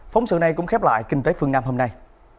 phóng sự này cũng khép lại kinh tế phương nam hôm nay